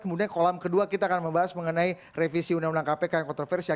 kemudian kolam kedua kita akan membahas mengenai revisi undang undang kpk yang kontroversial